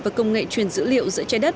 và công nghệ truyền dữ liệu giữa trái đất